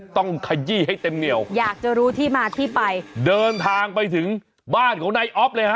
ขยี้ให้เต็มเหนียวอยากจะรู้ที่มาที่ไปเดินทางไปถึงบ้านของนายอ๊อฟเลยฮะ